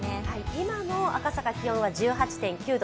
今の赤坂、気温は１８．９度。